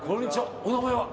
お名前は？